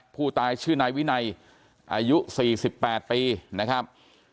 ผู้ตายชื่อนายวินัยอายุ๔๘ปีนะครับ